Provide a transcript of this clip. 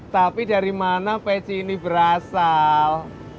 tapi dari mana peci ini berasal